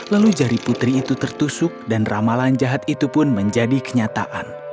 lalu jari putri itu tertusuk dan ramalan jahat itu pun menjadi kenyataan